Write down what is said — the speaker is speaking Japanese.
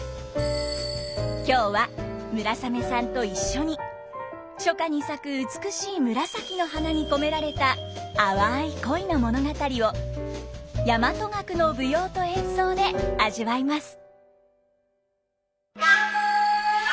今日は村雨さんと一緒に初夏に咲く美しい紫の花に込められた淡い恋の物語を大和楽の舞踊と演奏で味わいます。